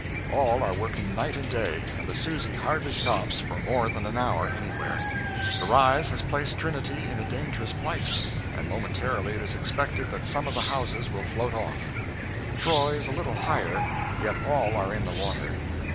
All are working night and day, and the 'Susie' hardly stops for more than an hour anywhere. The rise has placed Trinity in a dangerous plight, and momentarily it is expected that some of the houses will float off. Troy is a little higher, yet all are in the water.